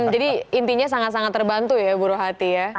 jadi intinya sangat sangat terbantu ya bu rohati ya